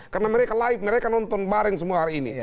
karena mereka live mereka nonton bareng semua hari ini